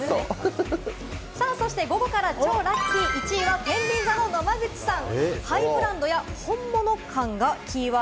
そして午後から超ラッキー、１位はてんびん座の野間口さん。